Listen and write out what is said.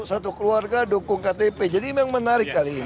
satu keluarga dukung ktp jadi memang menarik kali ini